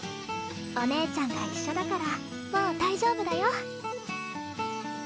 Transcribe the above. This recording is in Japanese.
お姉ちゃんが一緒だからもう大丈夫だよ。